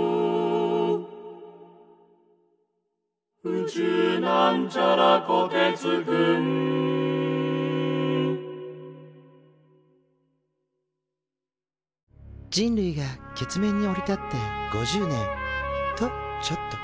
「宇宙」人類が月面に降り立って５０年。とちょっと。